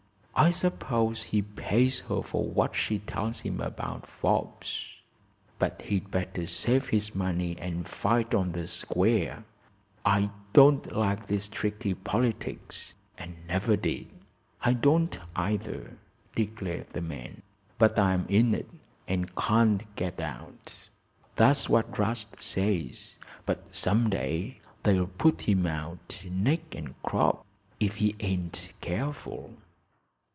I suppose he pays her for what she tells him about Forbes, but he'd better save his money and fight on the square. I don't like this tricky politics, an' never did." "I don't either," declared the man. "But I'm in it, and can't get out." "That's what 'Rast says. But some day they'll put him out, neck and crop, if he ain't careful."